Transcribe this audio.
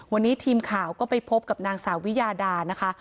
วันนี้ทีมข่าวก็ไปพบกับนางสาววิยาดานะคะ